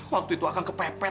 kamu yang mampu